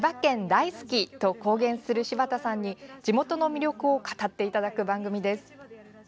大好きと公言する柴田さんに地元の魅力を語っていただく番組です。